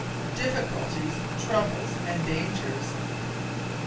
DIFFICULTIES, TROUBLES, AND DANGERS.